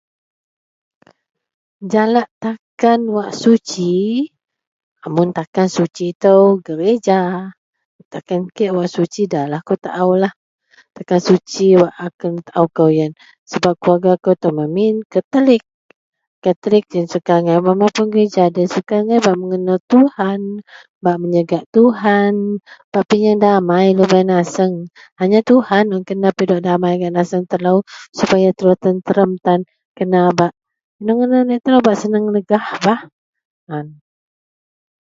Jalak takan wak suci mun takan wak suci ito gerija takan kek wak suci da lah akou taao lah. Takan suci wak kena taao sebab keluarga kou memin katolik, katolik iyen suka angai bak mapuon gerija. Doyen bak mengenel Tuhan bak menyegak Tuhan bak pinyeng damai dagen naseang Tuhan un kena pidok damai gak telo supaya telo tententeram kena bak ino ngadan laei telo bak seneng legah ah.